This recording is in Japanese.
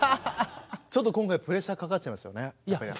ちょっと今回プレッシャーかかっちゃいますよね。